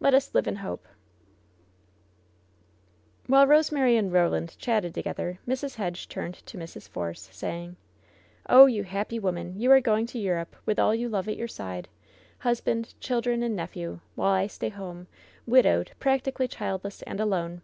Let us live in hope." LOVE'S BITTEREST CUP 171 While Rosemary and Roland chatted together, Mrs. Hedge turned to Mrs. Force, saying: "Oh, you happy woman ! You are going to Europe with all you love at your side — ^husband, children and nephew! While I stay home, widowed, practically childless and alone